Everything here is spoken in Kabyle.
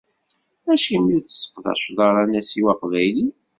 Acimi ur tesseqdaceḍ ara anasiw aqbayli?